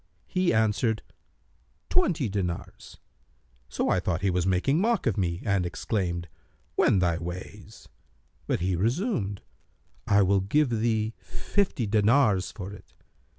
He answered, 'Twenty dinars': so I thought he was making mock of me and exclaimed, 'Wend thy ways.' But he resumed, 'I will give thee fifty dinars for it.'